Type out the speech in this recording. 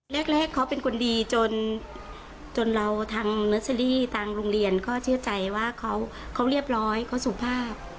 แรกเขาเป็นคนดีจนเราทางเนอร์เซอรี่ทางโรงเรียนก็เชื่อใจว่าเขาเรียบร้อยเขาสุภาพ